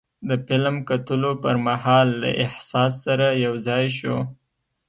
د فلم کتلو پر مهال له احساس سره یو ځای شو.